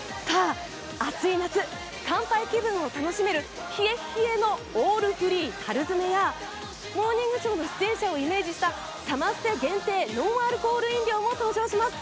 暑い夏、乾杯気分を楽しめる冷え冷えのオールフリー樽詰や「モーニングショー」の出演者をイメージしたサマステ限定ノンアルコール飲料も登場します。